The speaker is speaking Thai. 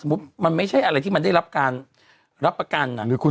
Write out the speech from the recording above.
มันไม่ใช่อะไรที่มันได้รับการ